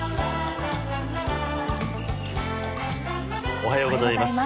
おはようございます。